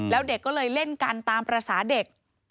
แล้วเด็กก็เลยเล่นกันตามภาษาเด็ก